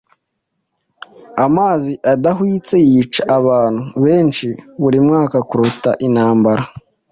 Amazi adahwitse yica abantu benshi buri mwaka kuruta intambara